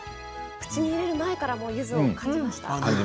口に入れる前からゆずを感じました？